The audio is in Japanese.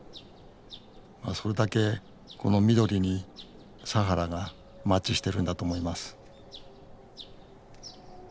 まあそれだけこの緑にサハラがマッチしてるんだと思います